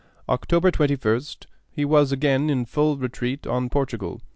October 21st he was again in full retreat on Portugal.